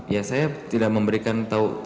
ya saya tidak memberikan tahu